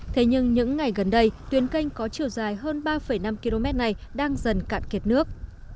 thế nhưng những ngày gần đây tuyến canh có chiều dài hơn ba năm km này đang dần cạn kiệt nước